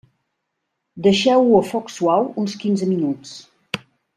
Deixeu-ho a foc suau uns quinze minuts.